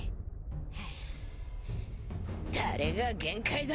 ハァ誰が限界だ。